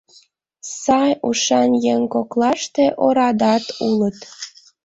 Сай, ушан еҥ коклаште орадат улыт.